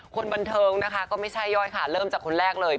คนบันเทิงนะคะก็ไม่ใช่ย่อยค่ะเริ่มจากคนแรกเลย